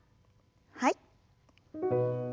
はい。